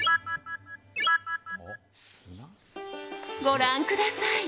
ご覧ください！